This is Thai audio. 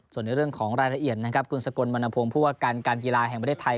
ส่วนในเรื่องของรายละเอียดนะครับคุณสกลวรรณพงศ์ผู้ว่าการการกีฬาแห่งประเทศไทย